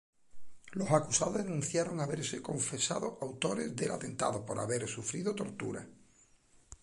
Los acusados denunciaron haberse confesado autores del atentado por haber sufrido tortura.